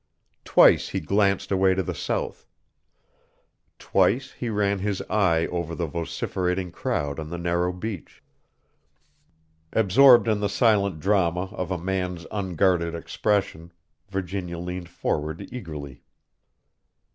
Twice he glanced away to the south. Twice he ran his eye over the vociferating crowd on the narrow beach. Absorbed in the silent drama of a man's unguarded expression, Virginia leaned forward eagerly.